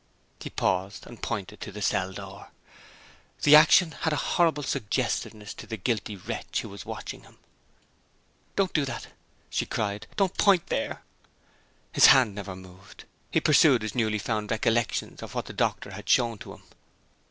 He paused, and pointed to the cell door. The action had a horrible suggestiveness to the guilty wretch who was watching him. "Don't do that!" she cried. "Don't point there!" His hand never moved; he pursued his newly found recollections of what the doctor had shown to him.